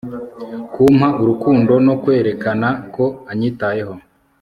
kumpa urukundo no kwerekana ko anyitayeho